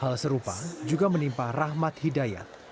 hal serupa juga menimpa rahmat hidayat